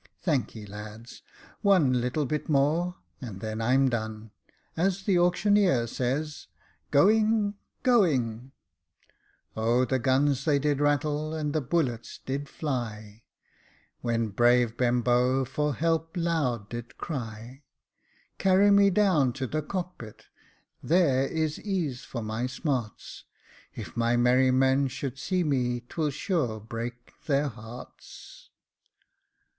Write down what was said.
" Thanky, lads — one little bit more, and then I'm done — as the auctioneer says — going — going " O the guns they did rattle, and the bul Iets — did — fly, When brave Benbow — for help loud— did cry, Carry me down to the cock pit — there is ease for my smarts, If my merry men should see me — 'twill sure — break — their — hearts.